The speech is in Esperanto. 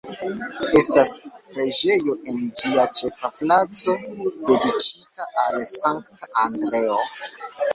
Estas preĝejo en ĝia ĉefa placo dediĉita al Sankta Andreo.